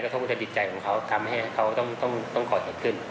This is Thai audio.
กระทบปสถิตใจของเขาทำให้เขาต้องช่วยขึ้น